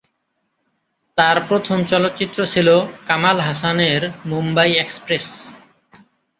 তার প্রথম চলচ্চিত্র ছিল কামাল হাসান-এর "মুম্বাই এক্সপ্রেস"।